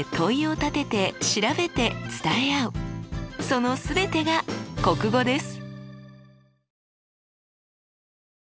その全てが国語です！